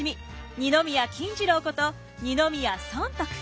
二宮金次郎こと二宮尊徳。